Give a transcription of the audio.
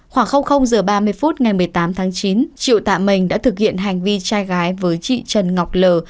khoảng giờ ba mươi phút ngày một mươi tám tháng chín triệu tạ mình đã thực hiện hành vi trai gái với chị trần ngọc lờ